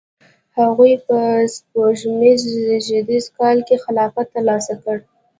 هغوی په سپوږمیز زیږدیز کال کې خلافت ترلاسه کړ.